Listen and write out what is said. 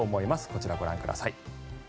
こちらご覧ください。